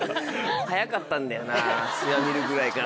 早かったんだよなシワ見るぐらいから。